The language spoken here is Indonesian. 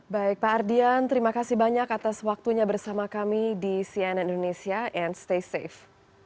baik pak ardian terima kasih banyak atas waktunya bersama kami di cnn indonesia and stay safe